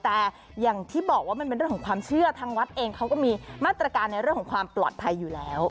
แต่อย่างที่บอกว่ามันเป็นเรื่องของความเชื่อทางวัดเองเขาก็มีมาตรการในเรื่องของความปลอดภัยอยู่แล้ว